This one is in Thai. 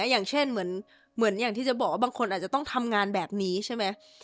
อย่างเช่นเหมือนอย่างที่จะบอกว่าบางคนอาจจะต้องทำงานแบบนี้ใช่ไหม